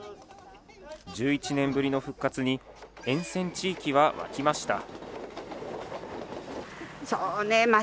１１年ぶりの復活に、沿線地域は沸きました。